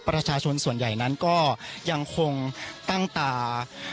ประชาชนส่วนใหญ่นั้นก็ยังคงตั้งตา